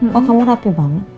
kok kamu rapi banget